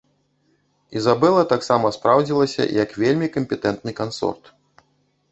Ізабела таксама спраўдзілася як вельмі кампетэнтны кансорт.